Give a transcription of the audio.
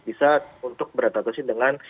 bisa untuk beradaptasi dengan